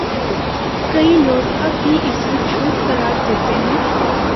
کئی لوگ اب بھی اسے جھوٹ قرار دیتے ہیں